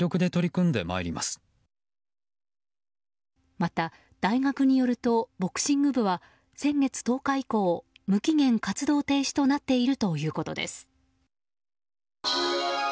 また、大学によるとボクシング部は先月１０日以降無期限活動停止となっているということです。